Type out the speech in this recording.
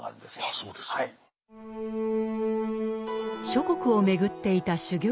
諸国を巡っていた修行僧。